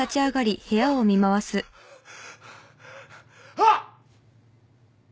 あっ！